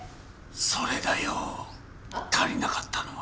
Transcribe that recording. それだよ足りなかったのは。